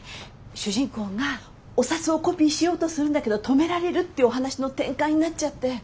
主人公がお札をコピーしようとするんだけど止められるっていうお話の展開になっちゃって。